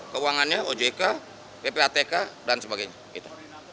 keuangannya ojk ppatk dan sebagainya gitu